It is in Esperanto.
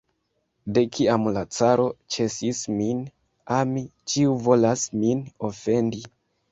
De kiam la caro ĉesis min ami, ĉiu volas min ofendi!